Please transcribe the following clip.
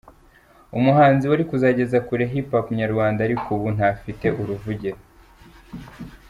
umuhanzi wari kuzageza kure hip hop nyarwanda ariko ubu ntafite uruvugiro.